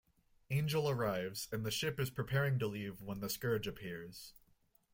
Angel arrives, and the ship is preparing to leave when the Scourge appears.